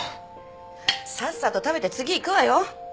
さっさと食べて次行くわよ！